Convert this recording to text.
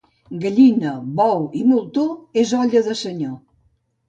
Gallina, bou i moltó és olla de senyor.